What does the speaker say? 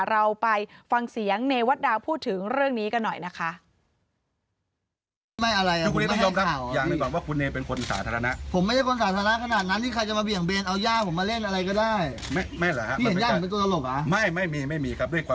เราไปฟังเสียงเนวัตดาวพูดถึงเรื่องนี้กันหน่อยนะคะ